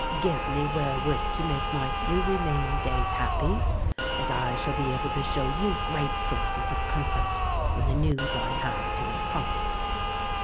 Give me wherewith to make my few remaining days happy—as I shall be able to show you great sources of comfort in the news I have to impart."